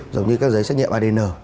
giống như các giấy xét nghiệm adn